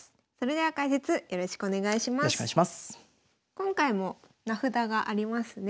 今回も名札がありますね。